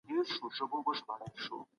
پيغمبر عليه السلام د حق مثال و.